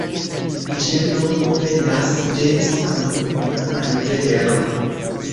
Ĝia nomo venas de samnoma rivero.